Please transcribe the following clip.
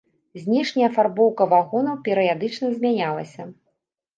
Знешняя афарбоўка вагонаў перыядычна змянялася.